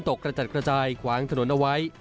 กระจัดกระจายขวางถนนเอาไว้